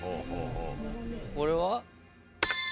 これは？